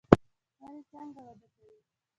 ونې څنګه وده کوي؟